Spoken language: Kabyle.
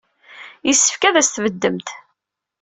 Yessefk ad asent-tbeddemt.